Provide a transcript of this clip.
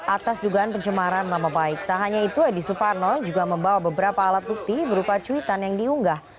atas dugaan pencemaran nama baik tak hanya itu edi suparno juga membawa beberapa alat bukti berupa cuitan yang diunggah